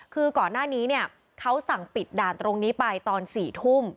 คือก่อนหน้านี้เนี่ยเขาสั่งปิดด่านตรงนี้ไปตอน๔ทุ่ม